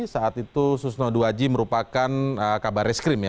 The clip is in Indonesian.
saat itu susno dua g merupakan kabar reskrim